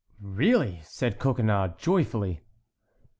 "Really!" said Coconnas, joyfully.